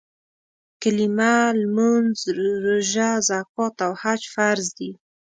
کلیمه، مونځ، روژه، زکات او حج فرض دي.